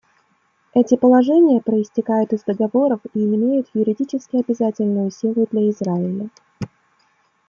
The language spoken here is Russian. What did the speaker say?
Эти положения проистекают из договоров и имеют юридически обязательную силу для Израиля.